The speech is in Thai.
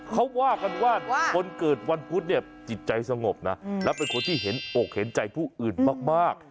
เขาว่ากันว่าคนเกิดวันพุธเนี่ยจิตใจสงบนะและเป็นคนที่เห็นอกเห็นใจผู้อื่นมาก